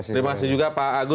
terima kasih juga pak agus